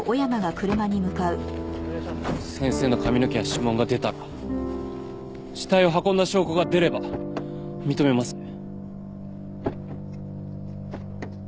先生の髪の毛や指紋が出たら死体を運んだ証拠が出れば認めますね？